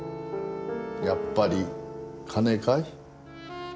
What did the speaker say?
やっぱり金かい？